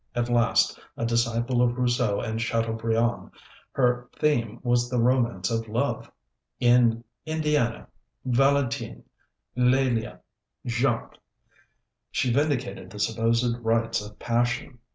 At first, a disciple of Rousseau and Chateaubriand, her theme was the romance of love. In Indiana, Valentine, L├®lia, Jacques, she vindicated the supposed rights of passion.